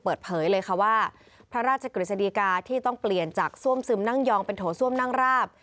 เปิดเผยเลยค่ะว่าพระราชกฤษฎีกาที่ต้องเปลี่ยนจากซ่วมซึมนั่งยองเป็นโถส้วมนั่งราบ